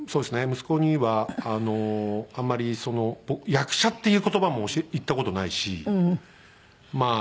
息子にはあんまりその「役者」っていう言葉も言った事ないしまあ